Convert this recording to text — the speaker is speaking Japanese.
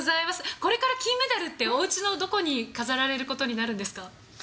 これから金メダルっておうちのどこに飾られることになるんですか。